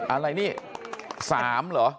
อะไรนี่๓เหรอ